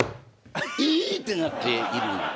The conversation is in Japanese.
「え！？」ってなっている？